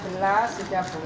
satu di juru besok tongok